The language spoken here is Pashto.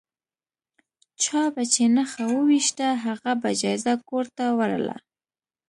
چا به چې نښه وویشته هغه به جایزه کور ته وړله.